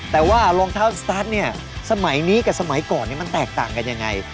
แต่ว่ารองเท้าสตาร์ทเนี่ยสมัยนี้กับสมัยก่อนมันแตกต่างกันยังไง